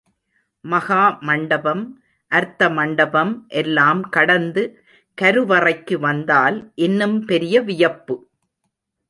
மகா மண்டபம், அர்த்த மண்டபம் எல்லாம் கடந்து கருவறைக்கு வந்தால் இன்னும் பெரிய வியப்பு.